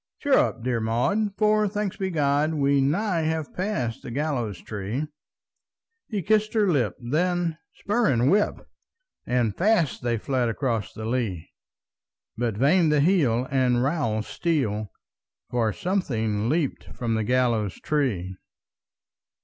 "Cheer up, dear Maud, for, thanked be God, We nigh have passed the gallows tree!" He kissed her lip; then spur and whip! And fast they fled across the lea! But vain the heel and rowel steel, For something leaped from the gallows tree!